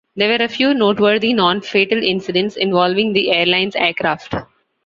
There were a few noteworthy non-fatal incidents involving the airline's aircraft.